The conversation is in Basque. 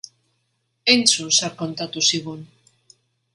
Entzun zer kontatu zigun!